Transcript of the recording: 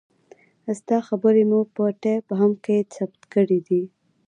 ستا خبرې مو په ټېپ هم کښې ثبت کړې دي.